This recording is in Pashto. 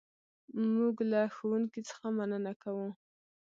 موږ له ښوونکي څخه مننه کوو.